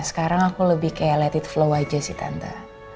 sekarang aku lebih kayak let it flow aja sih tante